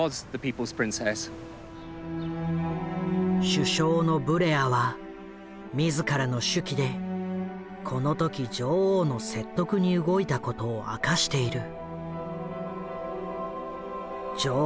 首相のブレアは自らの手記でこの時女王の説得に動いたことを明かしている。